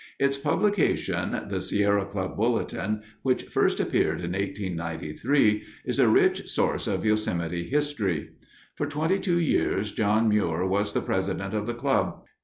Its publication, the Sierra Club Bulletin, which first appeared in 1893, is a rich source of Yosemite history. For twenty two years John Muir was the president of the club.